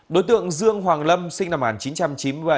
đối tượng dương hoàng lâm sinh năm một nghìn chín trăm chín mươi bảy